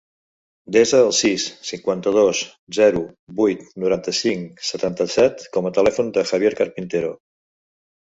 Desa el sis, cinquanta-dos, zero, vuit, noranta-cinc, setanta-set com a telèfon del Javier Carpintero.